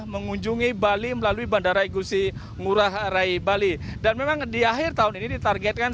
mengunjungi bali melalui bandara igusi ngurah rai bali dan memang di akhir tahun ini ditargetkan